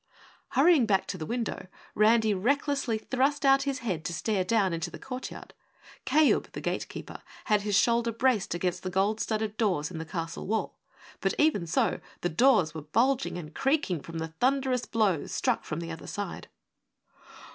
Hurrying back to the window, Randy recklessly thrust out his head to stare down into the courtyard. Kayub, the Gatekeeper, had his shoulder braced against the gold studded doors in the castle wall, but even so, the doors were bulging and creaking from the thunderous blows struck from the other side.